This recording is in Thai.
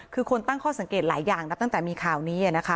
คือคนตั้งข้อสังเกตหลายอย่างนับตั้งแต่มีข่าวนี้นะคะ